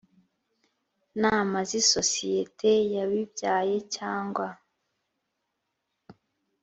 nama z isosiyete yayibyaye cyangwa